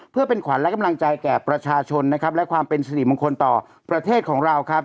เพื่อเป็นขวัญและกำลังใจแก่ประชาชนนะครับและความเป็นสิริมงคลต่อประเทศของเราครับ